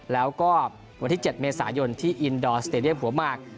แล้วก็วันที่๗เมษายนที่อินดอร์สเตรียมหัวมาก